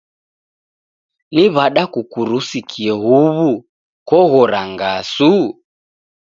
Ni w'ada kukurusikie huw'u? Koghora ngasu?